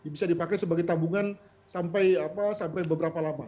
bisa dipakai sebagai tabungan sampai beberapa lama